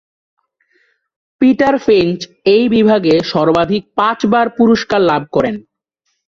Peter Finch এই বিভাগে সর্বাধিক পাঁচবার পুরস্কার লাভ করেন।